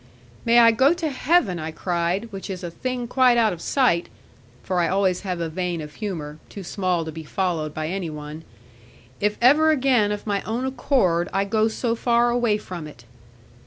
'May I go to heaven,' I cried, 'which is a thing quite out of sight' for I always have a vein of humour, too small to be followed by any one 'if ever again of my own accord I go so far away from it!'